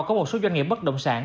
có một số doanh nghiệp bất động sản